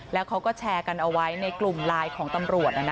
แล้วเขาก็แชร์กันเอาไว้ในกลุ่มไลน์ของตำรวจ